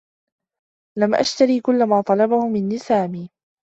لم أشترِ كلّ ما طلبه منّي سامي.